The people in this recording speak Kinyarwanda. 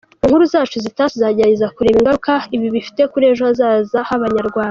Mu nkuru zacu zitaha tuzagerageza kureba ingaruka ibi bifite kuri ejo hazaza h’abanyarwanda.